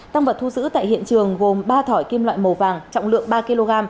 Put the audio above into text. tăng vật thu giữ tại hiện trường gồm ba thỏi kim loại màu vàng trọng lượng ba kg